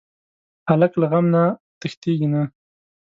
هلک له غم نه تښتېږي نه.